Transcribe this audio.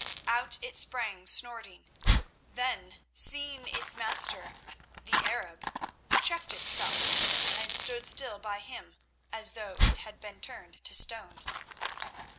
Out it sprang snorting; then seeing its master, the Arab, checked itself and stood still by him as though it had been turned to stone.